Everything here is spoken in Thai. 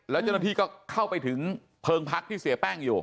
แล้วเจ้าหน้าที่ก็เข้าไปถึงเพิงพักที่เสียแป้งอยู่